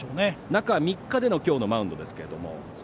中３日での今日のマウンドですけれども。